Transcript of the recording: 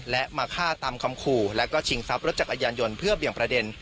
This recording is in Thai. และมาฆ่าตามคำขู่แล้วก็ชิงทรัพย์รถจักรยานยนต์เพื่อเบี่ยงประเด็น